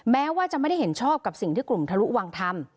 แม้ว่าจะไม่ได้เห็นชอบกับสิ่งที่กลุ่มทะลุวังทำ